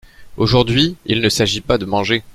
Aujourd'hui il ne s'agit pas de manger.